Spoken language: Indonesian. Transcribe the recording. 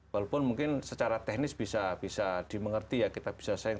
walaupun mungkin secara teknis bisa dimengerti ya kita bisa sharing